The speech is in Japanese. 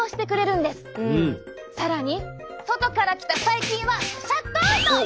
更に外から来た細菌はシャットアウト！